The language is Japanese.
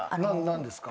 何ですか？